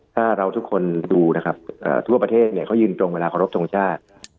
ถ้าเราทุกคนดูนะครับทั่วประเทศเนี่ยเขายืนตรงเวลาขอรบทรงชาติ